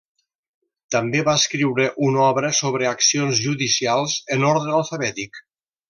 També va escriure una obra sobre accions judicials en ordre alfabètic.